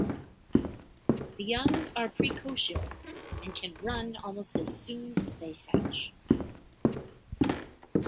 The young are precocial, and can run almost as soon as they hatch.